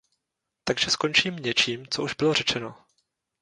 Takže skončím něčím, co už bylo řečeno.